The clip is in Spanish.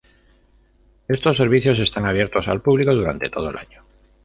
Estos servicios están abiertos al público durante todo el año.